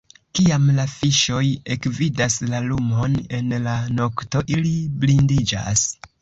Kiam la fiŝoj ekvidas la lumon en la nokto, ili blindiĝas.